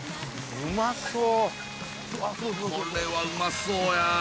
これはうまそうや。